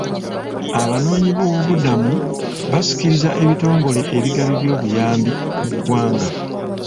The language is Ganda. Abanoonyibobubudamu basikiriza ebitongole ebigabi by'obuyambi mu ggwanga.